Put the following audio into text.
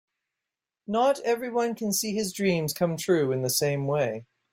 Not everyone can see his dreams come true in the same way.